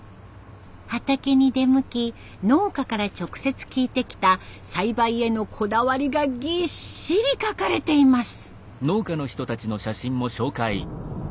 畑に出向き農家から直接聞いてきた栽培へのこだわりがぎっしり書かれています。